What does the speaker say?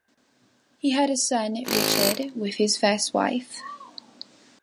He had a son, Richard, with his first wife.